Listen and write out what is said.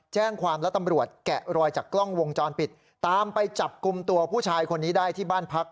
แจ้งความแล้วตำรวจแกะรอยจากกล้องวงจรปิดตามไปจับกลุ่มตัวผู้ชายคนนี้ได้ที่บ้านพัก